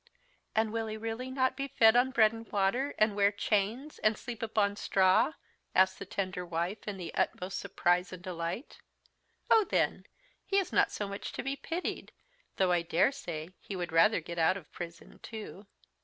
"And will he really not be fed on bread and water, and wear chains, and sleep upon straw?" asked the tender wife in the utmost surprise and delight. "Oh, then, he is not so much to be pitied, though I dare say he would rather get out of prison too."